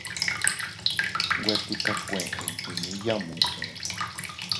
Nwe tikakue iydiya muʼu.